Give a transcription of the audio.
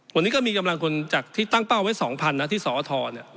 วันนี้ก็มีกำลังคนจากที่ตั้งเป้าไว้๒๐๐๐นะที่สอทร